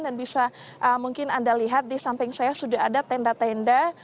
dan bisa mungkin anda lihat di samping saya sudah ada tenda tenda